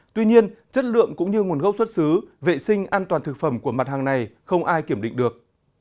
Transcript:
tuy nhiên chất lượng cũng như nguồn gốc xuất xứ vệ sinh an toàn thực phẩm của mặt hàng này không ai kiểm định được